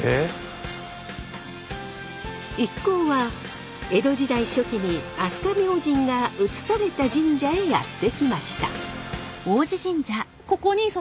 一行は江戸時代初期に飛鳥明神が移された神社へやって来ました。